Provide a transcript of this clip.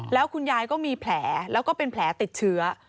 แล้วคุณยายก็มีแผลแล้วก็เป็นแผลติดเชื้อ